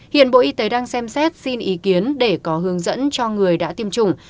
hiện bộ y tế đang xem xét xin ý kiến để có hướng dẫn cho người đã tiêm chủng